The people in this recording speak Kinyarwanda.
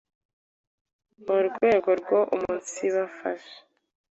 mu rwego rwo umunsibafasha